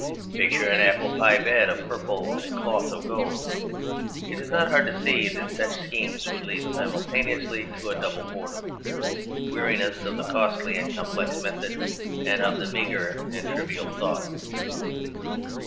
Picture an apple pie bed of purple and cloth of gold. It is not hard to see that such schemes would lead simultaneously to a double boredom; weariness of the costly and complex method and of the meagre and trivial thought.